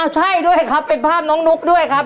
ใช่ด้วยครับเป็นภาพน้องนุ๊กด้วยครับ